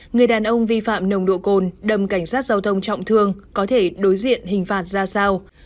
người đàn ông vi phạm nồng độ cồn đầm cảnh sát giao thông trọng thương có thể đối diện hình phạt ra sao